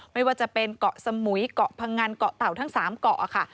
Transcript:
ไม่ว่าจะเป็นเกาะสมุยเกาะพังงันเกาะเต่าทั้ง๓เกาะค่ะ